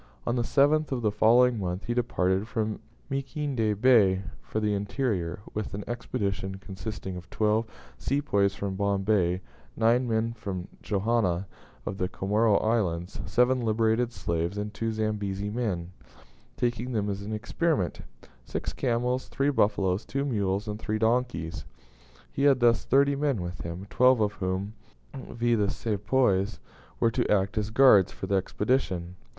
On the 7th of the following month he departed from Mikindany Bay for the interior, with an expedition consisting of twelve Sepoys from Bombay, nine men from Johanna, of the Comoro Islands, seven liberated slaves, and two Zambezi men, taking them as an experiment; six camels, three buffaloes, two mules, and three donkeys. He had thus thirty men with him, twelve of whom, viz., the Sepoys, were to act as guards for the Expedition.